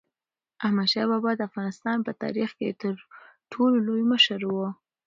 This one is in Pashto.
احمدشاه بابا د افغانستان په تاریخ کې تر ټولو لوی مشر و.